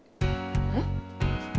えっ？